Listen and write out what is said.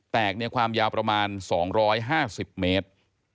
ในความยาวประมาณ๒๕๐เมตร